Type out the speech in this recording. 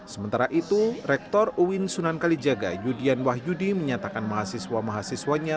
sementara itu rektor uin sunan kalijaga yudian wahyudi menyatakan mahasiswa mahasiswanya